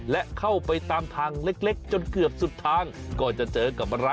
และเข้าไปตามทางเล็ก